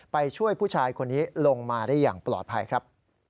ไปช่วยผู้ชายคนนี้ลงมาได้อย่างปลอดภัยครับ